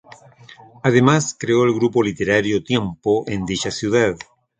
Además, creó el grupo literario "Tiempo" en dicha ciudad.